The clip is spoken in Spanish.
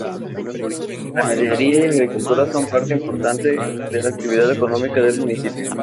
La ganadería y la agricultura son parte importante de la actividad económica del municipio.